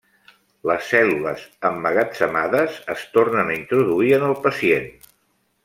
Les cèl·lules emmagatzemades es tornen a introduir en el pacient.